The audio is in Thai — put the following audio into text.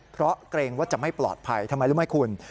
เพราะเกรงว่าจะไม่ปลอดภัยทำไมรู้ไหมคุณ